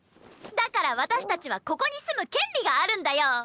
だから私たちはここに住む権利があるんだよ。